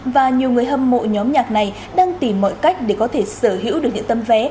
và nhiều người hâm mộ nhóm nhạc này đang tìm mọi cách để có thể sở hữu được những tấm vé